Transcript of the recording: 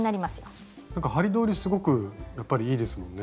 なんか針通りすごくやっぱりいいですもんね。